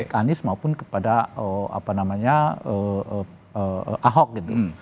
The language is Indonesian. dari anies maupun kepada apa namanya ahok gitu